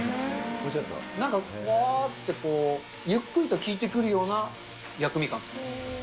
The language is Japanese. なんか、ふわーってこう、ゆっくりと効いてくるような、薬味感。